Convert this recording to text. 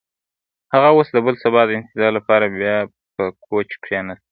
هغه اوس د بل سبا د انتظار لپاره بیا پر کوچ کښېناسته.